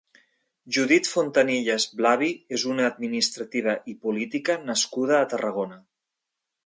Judit Fontanillas Blavi és una administrativa i política nascuda a Tarragona.